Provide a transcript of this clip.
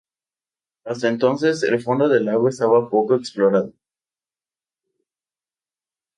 Hasta entonces el fondo del lago estaba poco explorado.